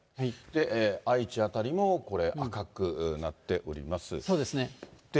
愛知辺りもこれ、赤くなっております。